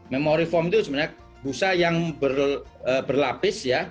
memory foam itu sebenarnya pusat yang berlapis